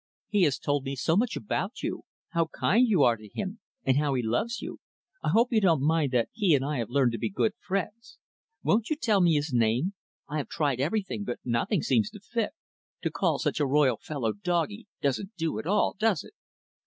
"He has told me so much about you how kind you are to him, and how he loves you. I hope you don't mind that he and I have learned to be good friends. Won't you tell me his name? I have tried everything, but nothing seems to fit. To call such a royal fellow, 'doggie', doesn't do at all, does it?"